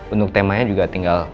untuk temanya juga tinggal